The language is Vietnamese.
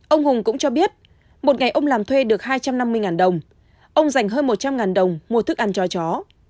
ông hùng cũng cho biết một ngày ông làm thuê được hai trăm năm mươi đồng ông dành hơn một trăm linh đồng mua thức ăn cho chó